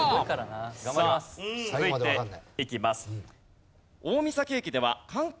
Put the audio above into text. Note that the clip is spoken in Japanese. さあ続いていきます。